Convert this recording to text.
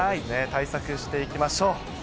対策していきましょう。